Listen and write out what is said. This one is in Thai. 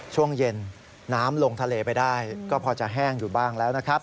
ช่วงเย็นน้ำลงทะเลไปได้ก็พอจะแห้งอยู่บ้างแล้วนะครับ